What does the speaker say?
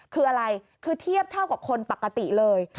คืออะไรคือเทียบเท่ากับคนปกติเลย